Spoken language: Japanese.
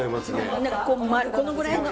何かこのぐらいの。